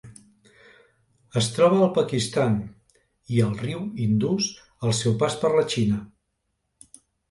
Es troba al Pakistan i al riu Indus al seu pas per la Xina.